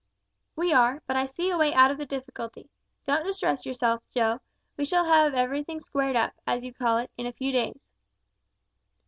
"We are, but I see a way out of the difficulty. Don't distress yourself, Joe; we shall have everything squared up, as you call it in a few days."